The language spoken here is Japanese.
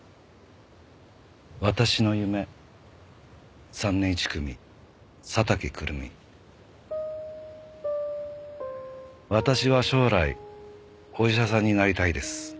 「『わたしの夢』３年１組佐竹玖瑠美」「私は将来お医者さんになりたいです」